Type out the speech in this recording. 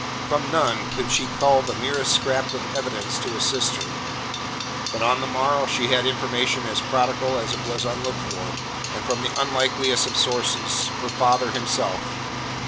From none could she cull the merest scrap of evidence to assist her. But on the morrow she had information as prodigal as it was unlooked for, and from the unlikeliest of sources her father himself.